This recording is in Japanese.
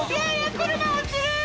車落ちる！